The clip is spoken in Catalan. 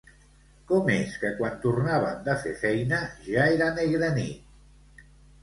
Com és que quan tornaven de fer feina ja era negra nit?